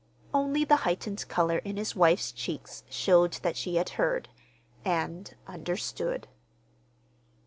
Only the heightened color in his wife's cheeks showed that she had heard—and understood.